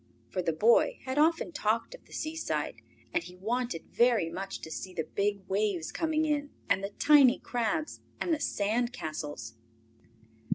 For the boy had often talked of the seaside, and he wanted very much to see the big waves coming in, and the tiny crabs, and the sand castles.